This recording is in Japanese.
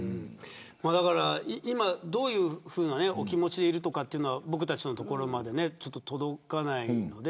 今どういうお気持ちでいるかとかは僕たちのところまで届かないので。